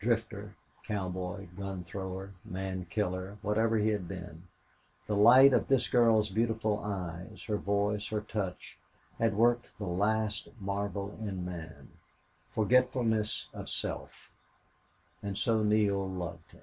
Drifter, cowboy, gun thrower, man killer, whatever he had been, the light of this girl's beautiful eyes, her voice, her touch, had worked the last marvel in man forgetfulness of self. And so Neale loved him.